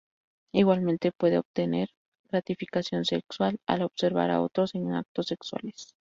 Igualmente puede obtener gratificación sexual al observar a otros en actos sexuales.